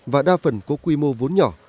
và đa phần có quy mô vốn nhỏ